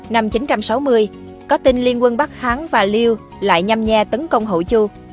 năm chín trăm sáu mươi có tin liên quân bắc hán và liêu lại nhăm nhe tấn công hậu chu